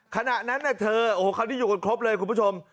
ขณะนั้นเธอโอ้โหคราวนี้อยู่กันครบเลยคุณผู้ชม